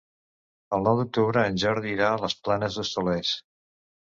El nou d'octubre en Jordi irà a les Planes d'Hostoles.